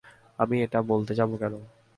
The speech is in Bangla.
আমি এটা বলতে যাব কেন?